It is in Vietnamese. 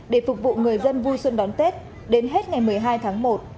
để phục vụ người dân vui xuân đón tết đến hết ngày một mươi hai tháng một